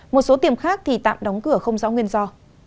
một số tiền khác thì tạm đóng cửa không rõ nguyên do